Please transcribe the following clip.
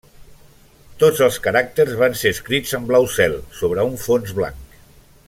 Tots els caràcters van ser escrits en blau cel sobre un fons blanc.